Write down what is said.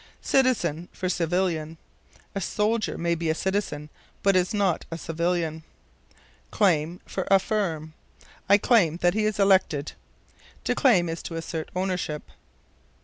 Citizen for Civilian. A soldier may be a citizen, but is not a civilian. Claim for Affirm. "I claim that he is elected." To claim is to assert ownership.